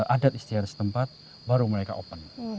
adat istiadat setempat baru mereka open